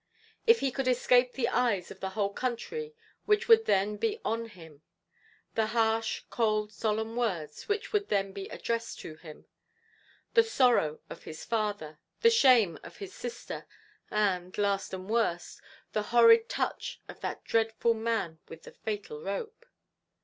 If he could escape the eyes of the whole country which would then be on him; the harsh, cold, solemn words which would then be addressed to him the sorrow of his father the shame of his sister and, last and worst, the horrid touch of that dread man with the fatal rope!